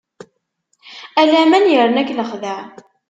A laman yerna-k lexdeɛ.